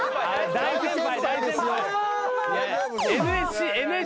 大先輩。